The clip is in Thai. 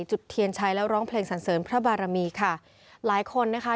จุดเทียนชัยแล้วร้องเพลงสันเสริญพระบารมีค่ะหลายคนนะคะ